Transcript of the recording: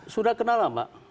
sudah kenal lama